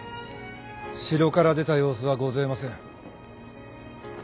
城から出た様子はごぜません。